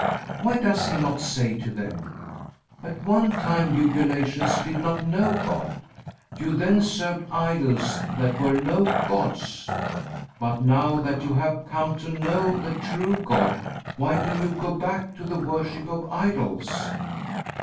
Why does he not say to them: "At one time you Galatians did not know God. You then served idols that were no gods. But now that you have come to know the true God, why do you go back to the worship of idols?"